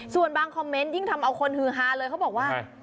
ส่วนบางคอมเมนต์ยิ่งทำเอาคนฮือฮาเลยเขาบอกว่า